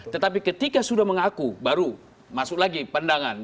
tetapi ketika sudah mengaku baru masuk lagi pandangan